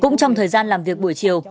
cũng trong thời gian làm việc buổi chiều